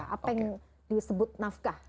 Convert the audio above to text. apa yang disebut nafkah